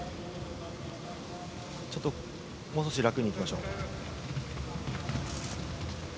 ちょっともう少し楽に行きましょう。